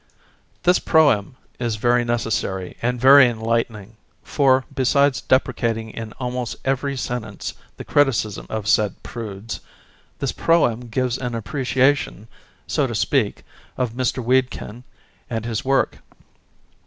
This "Proem" is very necessary and very enlight ening, for, besides deprecating in almost every sen tence the criticism of said ''Prudes," this Proem gives an appreciation, so to speak, of Mr. Wedekind and his work.